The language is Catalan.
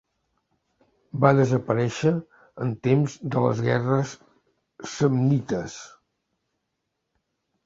Va desaparèixer en temps de les guerres samnites.